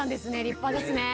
立派ですね。